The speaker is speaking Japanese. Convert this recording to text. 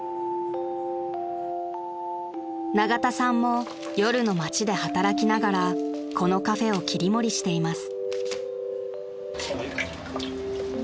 ［永田さんも夜の街で働きながらこのカフェを切り盛りしています］